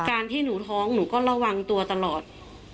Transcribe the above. ที่หนูท้องหนูก็ระวังตัวตลอด